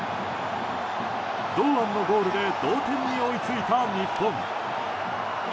堂安のゴールで同点に追いついた日本。